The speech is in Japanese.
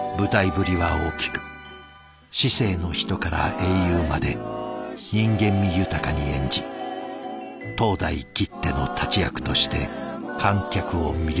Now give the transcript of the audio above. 市井の人から英雄まで人間味豊かに演じ当代きっての立役として観客を魅了した。